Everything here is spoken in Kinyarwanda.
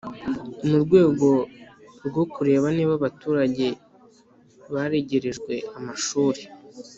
Mu rwego rwo kureba niba abaturage baregerejwe amashuri